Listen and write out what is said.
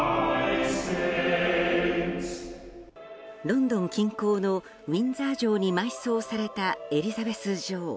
ロンドン近郊のウィンザー城に埋葬されたエリザベス女王。